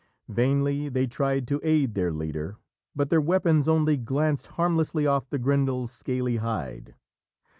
Vainly they tried to aid their leader, but their weapons only glanced harmlessly off the Grendel's scaly hide.